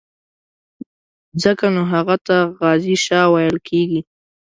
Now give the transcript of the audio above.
ځکه نو هغه ته غازي شاه ویل کېږي.